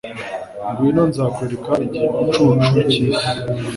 ngwino nzakwereka igicucu cyisi